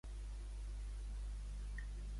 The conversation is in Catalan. "Segueix llegint ""El difícil art d'ésser humà"" ?"